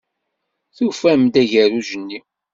Tufam-d agerruj-nni?